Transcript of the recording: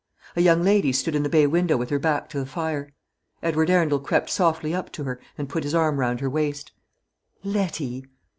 A young lady stood in the bay window with her back to the fire. Edward Arundel crept softly up to her, and put his arm round her waist. "Letty!"